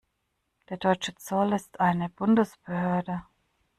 Der deutsche Zoll ist eine Bundesbehörde.